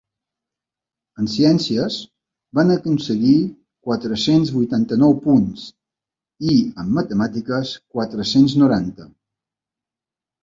En ciències van aconseguir quatre-cents vuitanta-nou punts i en matemàtiques quatre-cents noranta.